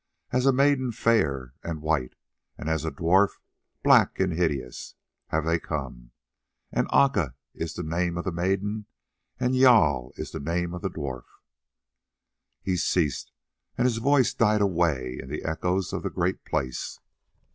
As a maiden fair and white, and as a dwarf black and hideous, have they come, and Aca is the name of the maiden, and Jâl is the name of the dwarf." He ceased, and his voice died away in the echoes of the great place.